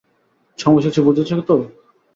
সময়সূচী বুঝেছ তো?